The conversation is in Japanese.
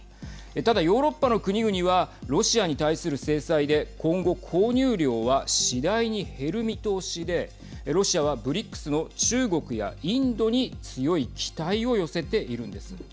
ただ、ヨーロッパの国々はロシアに対する制裁で今後購入量は次第に減る見通しでロシアはＢＲＩＣＳの中国やインドに強い期待を寄せているんです。